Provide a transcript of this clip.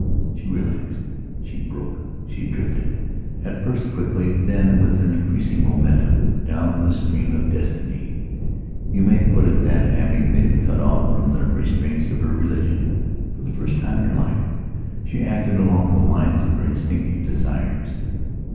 She relaxed; she broke; she drifted, at first quickly, then with an increasing momentum, down the stream of destiny. You may put it that, having been cut off from the restraints of her religion, for the first time in her life, she acted along the lines of her instinctive desires.